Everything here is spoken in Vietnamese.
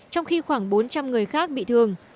trong khi khoảng bốn trăm linh người khác bị thương